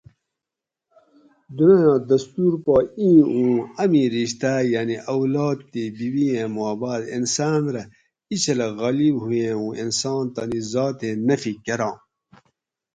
دُنایاں دستور پا ایں اُوں امیں رشتاۤ یعنی اولاد تے بی بی ایں محبت انسان رہ ایں چھلہ غالب ہویں اُوں انسان تانی ذاتیں نفی کراۤں